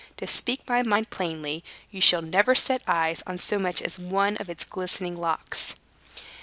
To speak my mind plainly, you shall never set eyes on so much as one of its glistening locks."